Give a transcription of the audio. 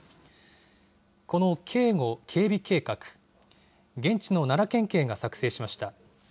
この警護・警備計画、現地の奈良県警が作成しました。